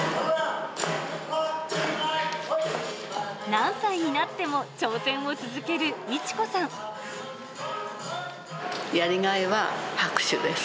何歳になっても、挑戦を続ける道やりがいは拍手です。